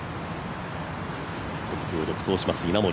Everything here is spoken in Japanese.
トップを独走します稲森。